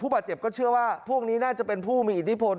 บาดเจ็บก็เชื่อว่าพวกนี้น่าจะเป็นผู้มีอิทธิพล